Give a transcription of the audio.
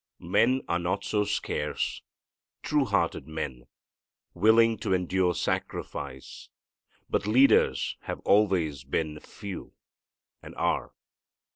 Men are not so scarce, true hearted men, willing to endure sacrifice, but leaders have always been few, and are.